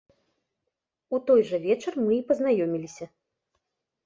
У той жа вечар мы і пазнаёміліся.